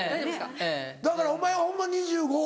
だからお前はホンマ２５歳。